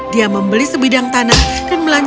dia membeli sebidang tanah dan melanjutkan bertanian